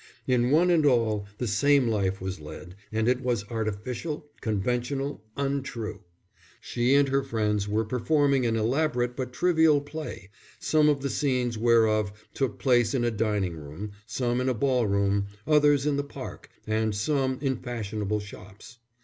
In one and all the same life was led; and it was artificial, conventional, untrue. She and her friends were performing an elaborate but trivial play, some of the scenes whereof took place in a dining room, some in a ball room, others in the park, and some in fashionable shops.